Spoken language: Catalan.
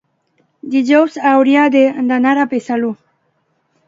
dijous hauria d'anar a Besalú.